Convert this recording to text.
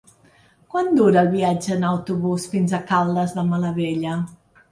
Quant dura el viatge en autobús fins a Caldes de Malavella?